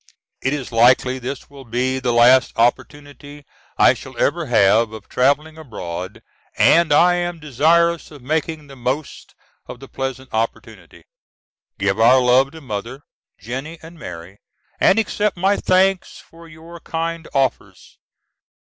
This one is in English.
It is likely this will be the last opportunity I shall ever have of travelling abroad and I am desirous of making the most of the pleasant opportunity. Give our love to Mother, Jennie and Mary, and accept my thanks for your kind offers.